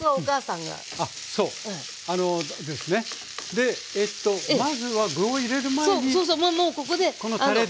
でまずは具を入れる前にこのたれで。